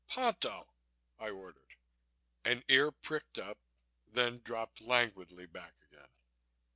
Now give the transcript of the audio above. "Ponto!" I ordered. An ear pricked up, then dropped languidly back again.